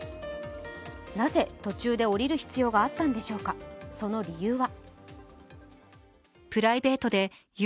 なぜ途中で降りる必要があったんでしょうか、その理由は。